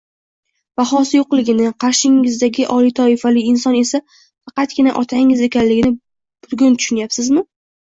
bahosi yo'qligini, qarshingizdagi oliy toifali inson esa faqatgina otangiz ekanligini bugun tushinayapsizmi